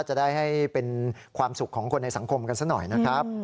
จะได้ให้เป็นความสุขของคนในสังคมกันซะหน่อยนะครับ